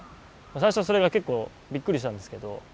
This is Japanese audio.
最初はそれが結構びっくりしたんですけど。